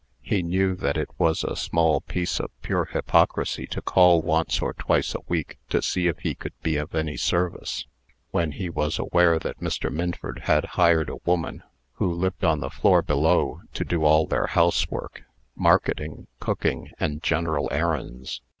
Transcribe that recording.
He knew that it was a piece of pure hypocrisy to call once or twice a week to see if he could be of any service, when he was aware that Mr. Minford had hired a woman, who lived on the floor below, to do all their household work, marketing, cooking, and general errands.